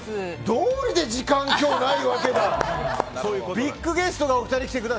どうりで時間ないわけだ！